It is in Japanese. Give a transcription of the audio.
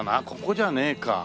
ここじゃねえか。